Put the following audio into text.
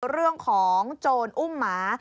เรื่องของโจรอุ้มหมา